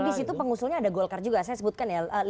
di situ pengusulnya ada golkar juga saya sebutkan ya